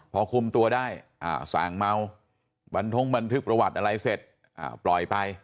พอคุมตัวได้สั่งเมาบรรทงบันทึกประวัติอะไรเสร็จปล่อยไป